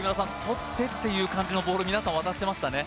とってっていう感じのボール皆さん渡してましたね